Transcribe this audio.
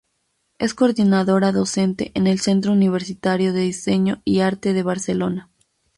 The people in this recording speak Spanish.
Es coordinadora docente en el Centro Universitario de Diseño y Arte de Barcelona.